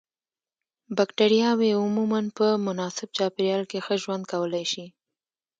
بکټریاوې عموماً په مناسب چاپیریال کې ښه ژوند کولای شي.